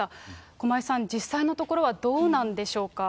駒井さん、実際のところはどうなんでしょうか。